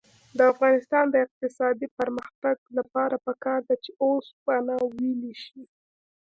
د افغانستان د اقتصادي پرمختګ لپاره پکار ده چې اوسپنه ویلې شي.